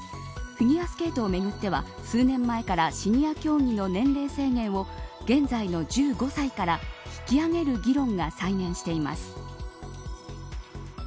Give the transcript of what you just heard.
フィギュアスケートをめぐっては数年前からシニア競技の年齢制限を現在の１５歳から引き上げる議論が再燃しています。